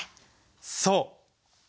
そう！